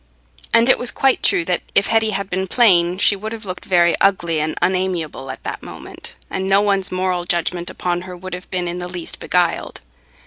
And it was quite true that if Hetty had been plain, she would have looked very ugly and unamiable at that moment, and no one's moral judgment upon her would have been in the least beguiled.